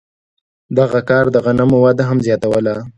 دغه کار د غنمو وده هم زیاتوله.